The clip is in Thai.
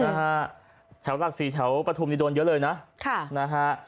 นะฮะแถวหลักสี่แถวปฐุมนี่โดนเยอะเลยนะค่ะนะฮะ